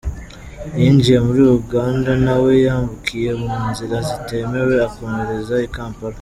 Yinjiye muri Uganda na we yambukiye mu nzira zitemewe akomereza i Kampala.